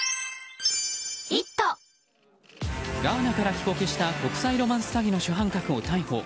ガーナから帰国した国際ロマンス詐欺の主犯格を逮捕。